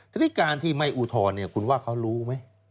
ทีนี้การที่ไม่อุทธรณ์คุณว่าเขารู้ไหม